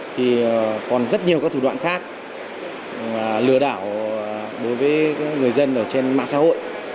thì còn rất nhiều các thủ đoạn khác mà lừa đảo đối với người dân ở trên mạng xã hội